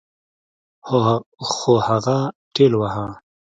خو هغه ټېلوهه.